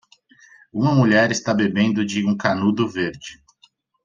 Uma mulher está bebendo de um canudo verde.